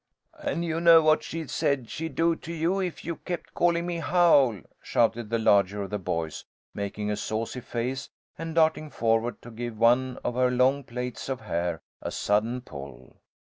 "And you know what she said she'd do to you if you kept calling me Howl," shouted the larger of the boys, making a saucy face and darting forward to give one of her long plaits of hair a sudden pull.